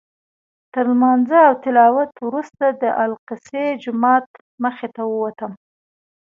تر لمانځه او تلاوت وروسته د الاقصی جومات مخې ته ووتم.